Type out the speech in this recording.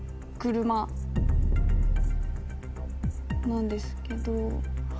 なんですけど。